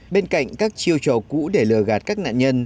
bên cạnh các chiêu trò cũ để lừa gạt các nạn nhân